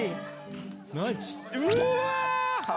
うわ！